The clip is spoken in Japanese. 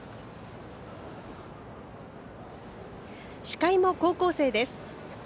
司会も高校生です。